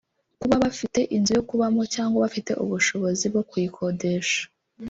Kuba bafite inzu yo kubamo cyangwa bafite ubushobozi bwo kuyikodesha